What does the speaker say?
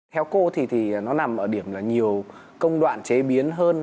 theo cô thì nó nằm ở điểm là nhiều công đoạn chế biến hơn